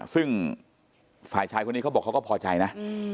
ซึ่งฝ่ายชายคนนี้เขาก็พอใจนะ